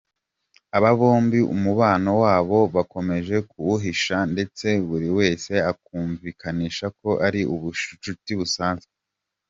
Aba bombi umubano wabo bakomeje kuwuhisha ndetse buri wese akumvikanisha ko ari ubushuti busanzwe.